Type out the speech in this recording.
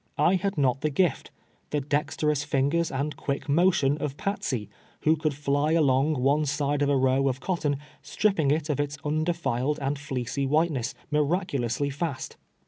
I had not the gift — the dexterous fingers and quick motion of Patsey, who conhl flj along one side of a row of cot ton, stripping it of its nndefiled and fleecy whiteness miraculously fast.